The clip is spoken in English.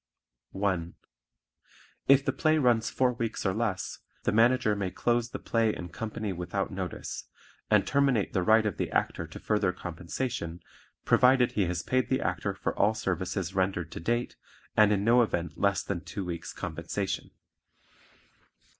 (1) If the play runs four weeks or less, the Manager may close the play and company without notice, and terminate the right of the Actor to further compensation, provided he has paid the Actor for all services rendered to date, and in no event less than two weeks' compensation.